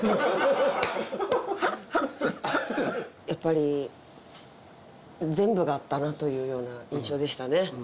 やっぱり全部があったなというような印象でしたね。